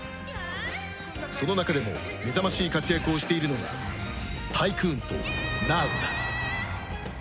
その中でも目覚ましい活躍をしているのがタイクーンとナーゴだ